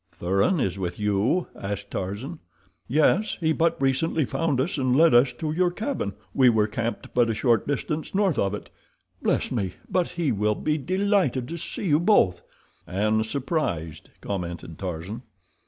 "Thuran is with you?" asked Tarzan. "Yes; he but recently found us and led us to your cabin. We were camped but a short distance north of it. Bless me, but he will be delighted to see you both." "And surprised," commented Tarzan.